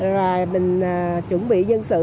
rồi mình chuẩn bị nhân sự